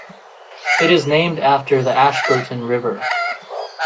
It is named after the Ashburton River.